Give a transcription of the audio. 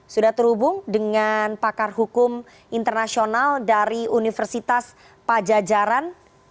sudah terhubung dengan pakar hukum internasional dari universitas pajajaran